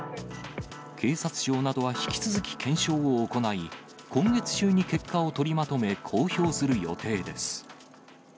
警察庁などは引き続き検証を行い、今月中に結果を取りまとめ、公表する予定です。